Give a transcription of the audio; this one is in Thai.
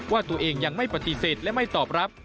ว่าตัวเองยังไม่ปฏิเสธและไม่ตอบรับ